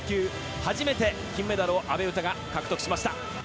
初めて金メダルを阿部詩が獲得しました。